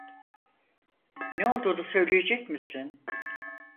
Ne olduğunu söyleyecek misin?